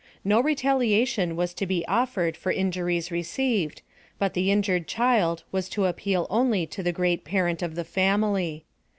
No retaliation was to be olfered for injuries received, but the injured child was to appeal only to the Great Parent of the family.